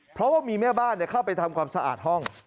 เพราะว่ามีแม่บ้านเข้าไปทำความสะอาดห้อง